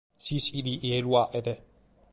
S’ischit chie lu faghet.